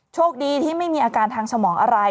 โชคดีที่ไม่มีอาการทางสมองอะไร